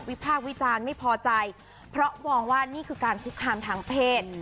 พากษ์วิจารณ์ไม่พอใจเพราะมองว่านี่คือการคุกคามทางเพศ